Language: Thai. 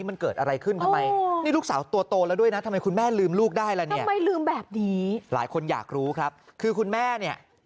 โชคดีนะครับว่าน้องเจอกับคนละเมืองดี